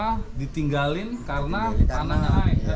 nggak ditinggalin karena tanah naik